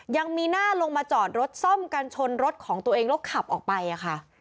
ยังมีหน้าลงมาจอดรถซ่อมกันชนรถของตัวเองแล้วขับออกไปค่ะ